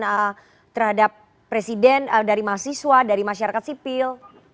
kepercayaan terhadap presiden dari mas iswa dari masyarakat sipil